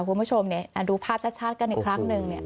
คุณผู้ชมเนี่ยอ่าดูภาพชาติชาติกันอีกครั้งหนึ่งเนี่ย